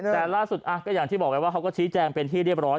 แต่ล่าสุดก็อย่างที่บอกไปว่าเขาก็ชี้แจงเป็นที่เรียบร้อย